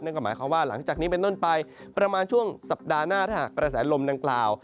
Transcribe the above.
ก็หมายความว่าหลังจากนี้เป็นต้นไปประมาณช่วงสัปดาห์หน้าถ้าหากกระแสลมดังกล่าว